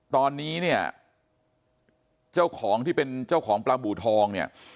ตอนนี้เนี่ยเจ้าของที่เป็นเจ้าของปลาบูทองเนี่ย